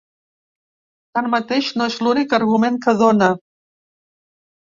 Tanmateix, no és l’únic argument que dóna.